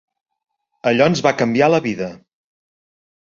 Allò ens va canviar la vida.